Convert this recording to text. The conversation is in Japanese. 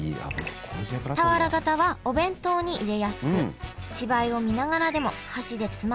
俵型はお弁当に入れやすく芝居を見ながらでも箸でつまみやすい。